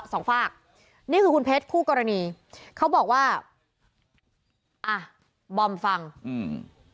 สองฝากนี่คือคุณเพชรคู่กรณีเขาบอกว่าอ่ะบอมฟังอืม